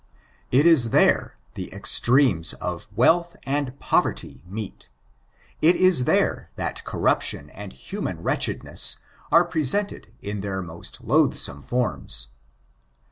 It is there the extremes of wealth and poverty meet ; it is there that corruption and human wretchedness are presented in their most loathsome forms.